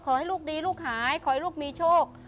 ขอให้ดูุลูกหายลูกมีโชค